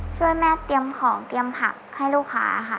ช่วยแม่เตรียมของเตรียมผักให้ลูกค้าค่ะ